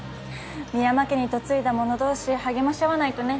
深山家に嫁いだ者同士励まし合わないとね。